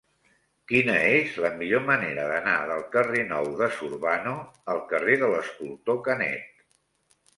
Quina és la millor manera d'anar del carrer Nou de Zurbano al carrer de l'Escultor Canet?